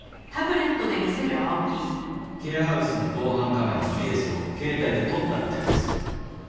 ケアハウスの防犯カメラの映像を携帯で撮ったみたいです。